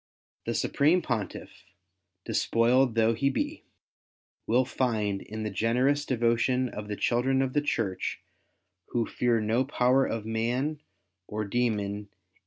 The Supreme Pontiff, despoiled though he be, will find in the generous devotion of the children of the Church who fear no power of man or demon in CATHOLIC ORGANIZATION.